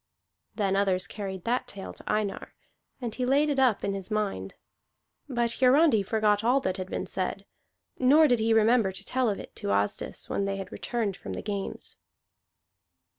Then others carried that tale to Einar, and he laid it up in his mind; but Hiarandi forgot all that had been said, nor did he remember to tell of it to Asdis when they had returned from the games.